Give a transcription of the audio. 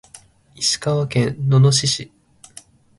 石川県野々市市